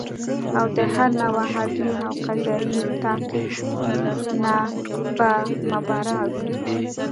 او د هر نوع عدلي او قضایي تعقیب نه به مبرا وي